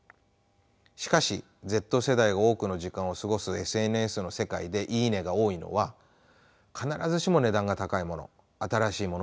しかしＺ世代が多くの時間を過ごすＳＮＳの世界で「いいね」が多いのは必ずしも値段が高いもの新しいものではありません。